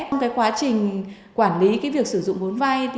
trong quá trình quản lý việc sử dụng vốn vay